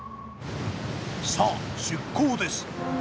さあ出港です。